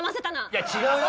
いや違うよ！